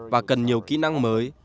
và cần nhiều kỹ năng mới